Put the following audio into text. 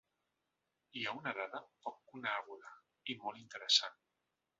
Hi ha una dada poc coneguda i molt interessant.